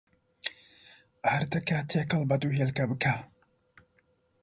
ئاردەکە تێکەڵ بە دوو هێلکە بکە.